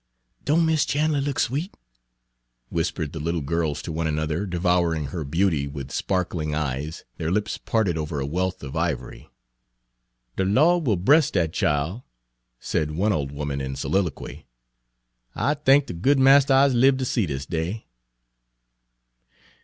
"Don' Miss Chan'ler look sweet," whispered the little girls to one another, devouring her beauty with sparkling eyes, their lips parted over a wealth of ivory. "De Lawd will bress dat chile," said one old woman, in soliloquy. "I t'ank de good Marster I's libbed ter see dis day."